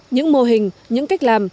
những mô hình những cách làm